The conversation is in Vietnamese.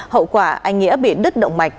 hậu quả anh nghĩa bị đứt động mạch